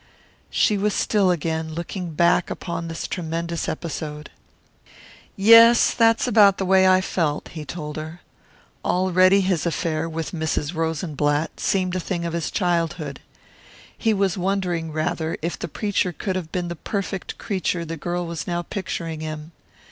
She was still again, looking back upon this tremendous episode. "Yes, that's about the way I felt," he told her. Already his affair with Mrs. Rosenblatt seemed a thing of his childhood. He was wondering, rather, if the preacher could have been the perfect creature the girl was now picturing him.